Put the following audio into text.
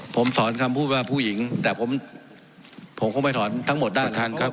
ผมถอนคำพูดว่าผู้หญิงแต่ผมคงไม่ถอนทั้งหมดด้านคันครับ